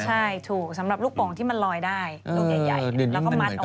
ใช่ถูกสำหรับลูกโป่งที่มันลอยได้ลูกใหญ่แล้วก็มัดออก